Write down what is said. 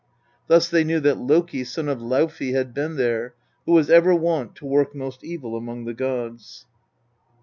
Thus they knew that Loki, son of Laufey, had been there, who was ever wont to work most evil among the gods.